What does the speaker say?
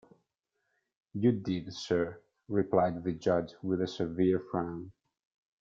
‘You did, Sir,’ replied the judge, with a severe frown.